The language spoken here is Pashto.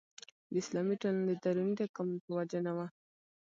د اسلامي ټولنو د دروني تکامل په وجه نه وه.